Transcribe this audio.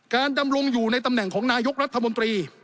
ดำรงอยู่ในตำแหน่งของนายกรัฐมนตรี